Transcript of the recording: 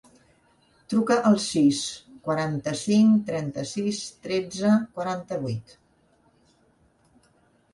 Truca al sis, quaranta-cinc, trenta-sis, tretze, quaranta-vuit.